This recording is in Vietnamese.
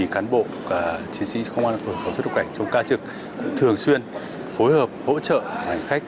cán bộ chiến sĩ công an cửa khẩu xuất nhập cảnh trong ca trực thường xuyên phối hợp hỗ trợ hành khách